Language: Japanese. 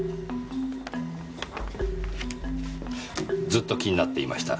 ずっと気になっていました。